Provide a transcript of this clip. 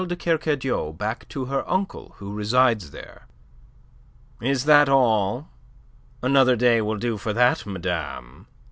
de Kercadiou, back to her uncle who resides there." "Is that all? Another day will do for that, madame.